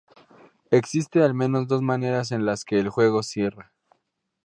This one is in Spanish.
Existen al menos dos maneras en las que el juego cierra.